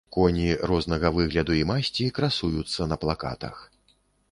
Коні, рознага выгляду і масці, красуюцца на плакатах.